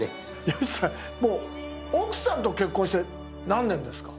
吉さん、もう奥さんと結婚して何年ですか。